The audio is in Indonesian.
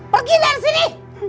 pergi dari sini